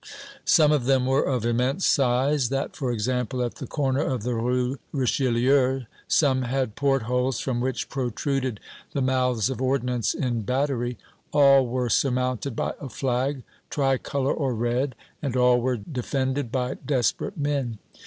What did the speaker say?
Some of them were of immense size that, for example, at the corner of the Rue Richelieu; some had port holes from which protruded the mouths of ordnance in battery; all were surmounted by a flag, tri color or red, and all were defended by desperate men.